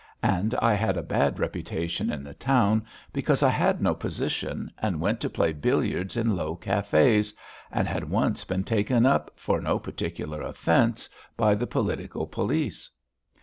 And I had a bad reputation in the town because I had no position and went to play billiards in low cafés, and had once been taken up, for no particular offence, by the political police.